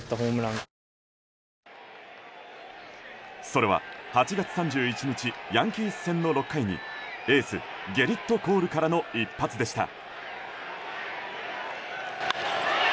それは、８月３１日ヤンキース戦の６回にエース、コールからの一発でした。